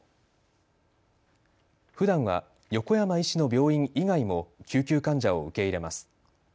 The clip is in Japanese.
ふだんは横山医師の病院以外も救急患者を受け入れます。